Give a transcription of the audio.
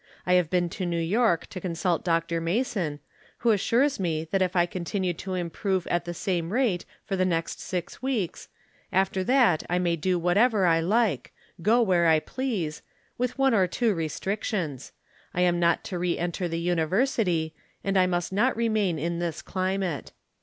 I have been to New York to consult Dr. Mason, who assures me that if I continue to im prove at the same rate for the nest six weeks, after that I may do whatever I like — go where I please — ^with one or two restrictions : I am not to re enter the University, and I must not remain in this climate.